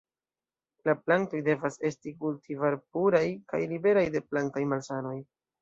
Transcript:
La plantoj devas esti kultivarpuraj kaj liberaj de plantaj malsanoj.